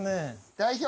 代表！